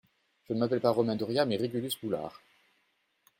Je ne m'appelle pas Romain Doria, mais Régulus Boulard.